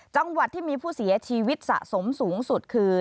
จังหวัดที่มีผู้เสียชีวิตสะสมสูงสุดคือ